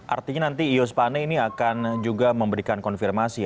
artinya nanti eiu spane ini akan juga memberikan konfirmasi